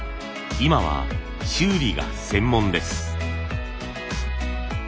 今は修理が専門です。